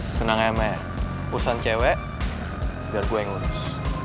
tenang emek pusan cewek biar gue yang ngurus